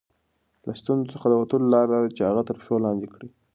له ستونزو څخه د وتلو لاره دا ده چې هغه تر پښو لاندې کړئ.